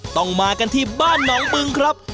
ต้องมากันที่บ้านหนองบึงครับ